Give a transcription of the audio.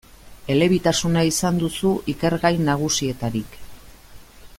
Elebitasuna izan duzu ikergai nagusietarik.